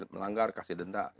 melanggar kasih denda